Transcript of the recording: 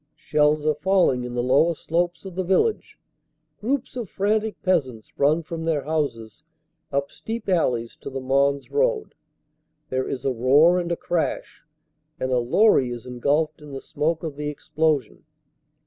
Shells are falling in the lower slopes of the village. Groups of frantic peasants run from their houses up steep alleys to the Mons Road. There is a roar and a crash, and a lorry is engulfed in the smoke of the explosion.